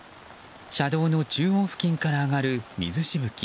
車道の中央付近から上がる水しぶき。